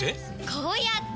こうやって！